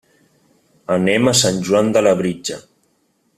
Anem a Sant Joan de Labritja.